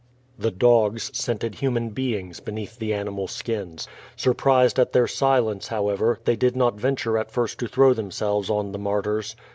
The dogs scented human beings beneath the animal skinfl. Sur pr^ed at their silence, however, they did not venture at first to throw themselyes on the martyrs.